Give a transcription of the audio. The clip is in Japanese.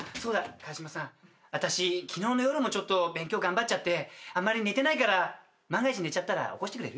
私昨日の夜もちょっと勉強頑張っちゃってあんまり寝てないから万が一寝ちゃったら起こしてくれる？